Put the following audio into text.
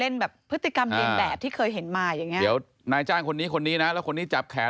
เดี๋ยวนายจ้างคนนี้คนนี้นะแล้วคนนี้จับแขน